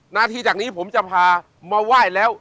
นาทีจากนี้ผมจะพามาไหว้แล้ว